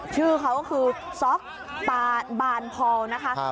ชื่อเขาก็คือซอกบานพอลล์